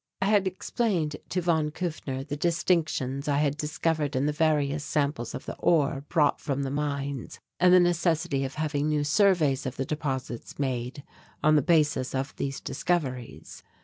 I had explained to von Kufner the distinctions I had discovered in the various samples of the ore brought from the mines and the necessity of having new surveys of the deposits made on the basis of these discoveries.